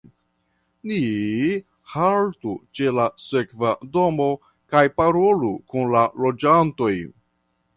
Ni haltu ĉe la sekva domo kaj parolu kun la loĝantoj.